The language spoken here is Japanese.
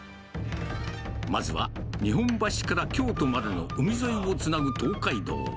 まずは日本橋から京都までの海沿いをつなぐ東海道。